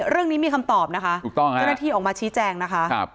เรื่องนี้มีคำตอบนะคะเจ้าหน้าที่ออกมาชี้แจ้งนะคะ